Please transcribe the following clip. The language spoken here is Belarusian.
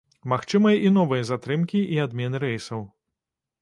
Магчымыя і новыя затрымкі і адмены рэйсаў.